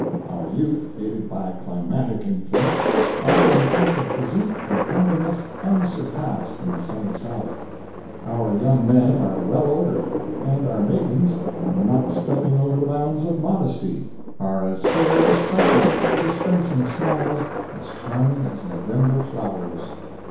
Our youth, aided by climatic influence, are in point of physique and comeliness unsurpassed in the Sunny South. Our young men are well ordered; and our maidens, 'not stepping over the bounds of modesty,' are as fair as Psyches, dispensing smiles as charming as November flowers."